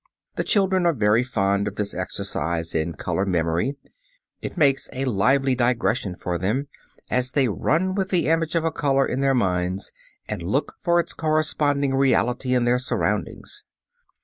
The children are very fond of this exercise in "color memory"; it makes a lively digression for them, as they run with the image of a color in their minds and look for its corresponding reality in their surroundings.